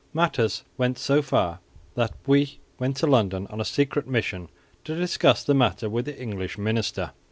Matters went so far that Buys went to London on a secret mission to discuss the matter with the English minister.